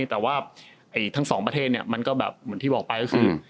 แต่ว่าทั้งสองประเทศเนี่ยมันก็แบบเหมือนที่บอกไปก็คือ